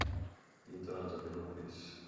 Pintor Antonio López.